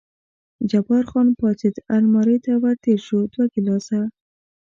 جبار خان پاڅېد، المارۍ ته ور تېر شو، دوه ګیلاسه.